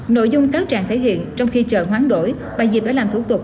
nội dung cáo tràng thể hiện trong khi chờ khoáng đổi bà dịp đã làm thủ tục